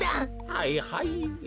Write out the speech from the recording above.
はいはい。